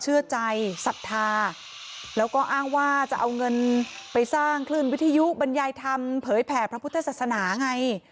เชื่อใจศรัทธาแล้วก็อ้างว่าจะเอาเงินไปสร้างคลื่นวิทยุบรรยายธรรมเผยแผ่พระพุทธศาสนาไง